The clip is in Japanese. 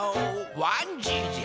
わんじいじゃ。